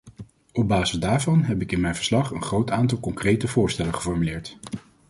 Op basis daarvan heb ik in mijn verslag een groot aantal concrete voorstellen geformuleerd.